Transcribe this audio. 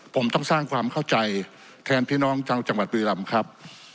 ผมต้องสร้างความเข้าใจแทนพี่น้องชาวจังหวัดบุรีรำครับ